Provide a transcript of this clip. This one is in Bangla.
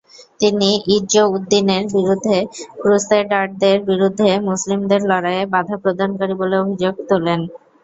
তিনি ইজ্জউদ্দিনের বিরুদ্ধে ক্রুসেডারদের বিরুদ্ধে মুসলিমদের লড়াইয়ে বাধাপ্রদানকারী বলে অভিযোগ তোলেন।